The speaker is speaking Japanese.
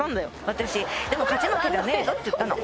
私でも勝ち負けじゃねえよっつったの